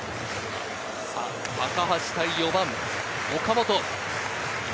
高橋対４番・岡本。